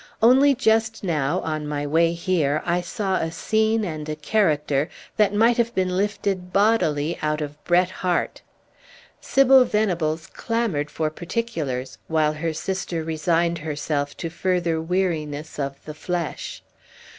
Only just now, on my way here, I saw a scene and a character that might have been lifted bodily out of Bret Harte." Sybil Venables clamored for particulars, while her sister resigned herself to further weariness of the flesh.